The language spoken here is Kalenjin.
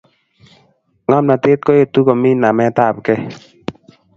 ngomnatet koetu komi namet apkei